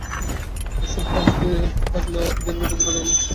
এভাবে ভাঙতে থাকলে অল্প দিনের মধ্যে গোটা গ্রাম নিশ্চিহ্ন হয়ে যাবে।